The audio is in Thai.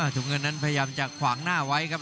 ถุงเงินนั้นพยายามจะขวางหน้าไว้ครับ